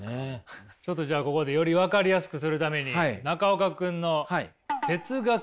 ちょっとじゃあここでより分かりやすくするために中岡君の哲学顔マネといきましょう。